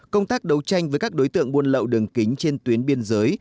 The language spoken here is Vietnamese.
công tác đấu tranh với các đối tượng buôn lậu đường kính trên tuyến biên giới